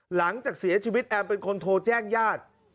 หลังจากเสียชีวิตแอมเป็นคนโทรแจ้งญาติ